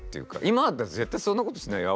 今だったら絶対そんなことしないよ。